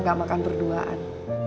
gak makan berduaan